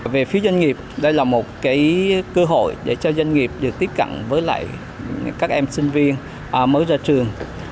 về phía doanh nghiệp đây là một cơ hội để cho doanh nghiệp được tiếp cận với lại các em sinh viên mới ra trường